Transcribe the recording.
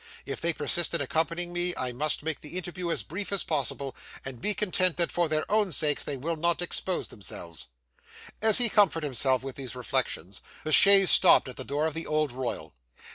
If they persist in accompanying me, I must make the interview as brief as possible, and be content that, for their own sakes, they will not expose themselves.' As he comforted himself with these reflections, the chaise stopped at the door of the Old Royal.